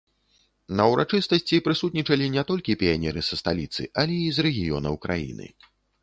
На ўрачыстасці прысутнічалі не толькі піянеры са сталіцы, але і з рэгіёнаў краіны.